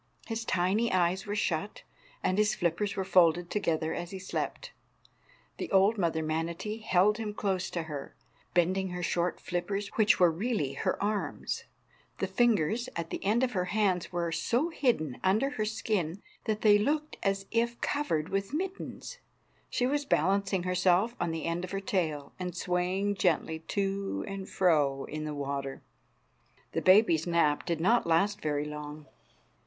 His tiny eyes were shut, and his flippers were folded together as he slept. The old mother manatee held him close to her, bending her short flippers, which were really her arms. The fingers at the ends of her hands were so hidden under the skin that they looked as if covered with mittens. She was balancing herself on the end of her tail, and swaying gently to and fro in the water. The baby's nap did not last very long.